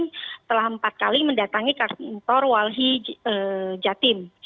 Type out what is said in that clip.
setelah empat kali mendatangi kantor walsi jatim